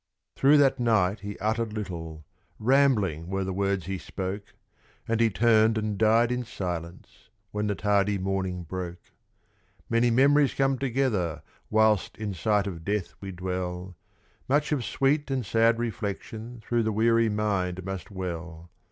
Through that night he uttered little, rambling were the words he spoke: And he turned and died in silence, when the tardy morning broke. Many memories come together whilst in sight of death we dwell, Much of sweet and sad reflection through the weary mind must well.